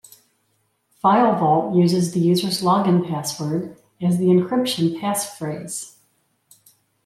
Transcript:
FileVault uses the user's login password as the encryption pass phrase.